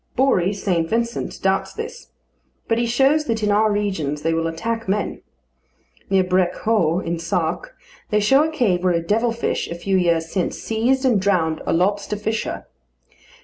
Bory Saint Vincent doubts this; but he shows that in our regions they will attack men. Near Brecq Hou, in Sark, they show a cave where a devil fish a few years since seized and drowned a lobster fisher.